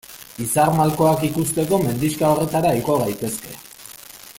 Izar malkoak ikusteko mendixka horretara igo gaitezke.